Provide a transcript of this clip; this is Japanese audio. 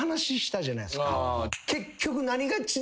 結局。